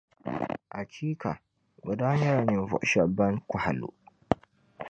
Achiika! Bɛ daa nyɛla ninvuɣu shεba ban kɔhi lu.